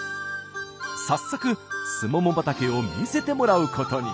早速すもも畑を見せてもらうことに。